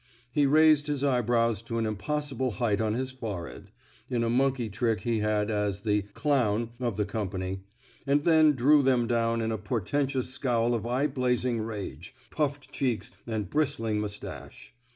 He raised his eyebrows to an impossi ble height on his forehead — in a monkey trick he had, as the clown '' of the com pany — and then drew them down in a portentous scowl of eye blazing rage, puffed cheeks, and bristling mustache.